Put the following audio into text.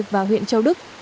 và huyện châu đức